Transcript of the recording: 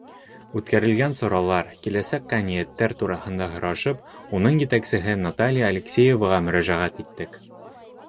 Үткәрелгән саралар, киләсәккә ниәттәр тураһында һорашып, уның етәксеһе Наталья Алексееваға мөрәжәғәт иттек.